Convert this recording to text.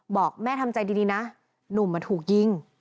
บอกแม่ทำใจดีนะหนุ่มถูกยิง